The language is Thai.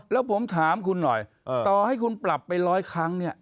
แล้วผมถามคุณหน่อยต่อให้คุณปรับไปร้อยครั้งเนี่ย